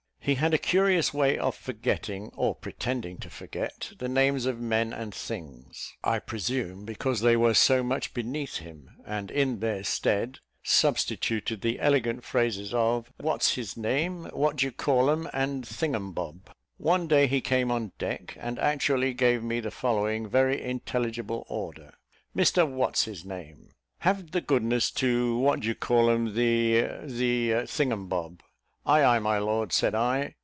He had a curious way of forgetting, or pretending to forget, the names of men and things, I presume, because they were so much beneath him; and in their stead, substituted the elegant phrases of "What's his name," "What do ye call 'em," and "thingumbob." One day he came on deck, and actually gave me the following very intelligible order. "Mr, What's his name, have the goodness to what do ye call 'em, the, the thingumbob." "Ay, ay, my lord," said I.